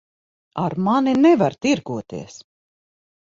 Ar mani nevar tirgoties.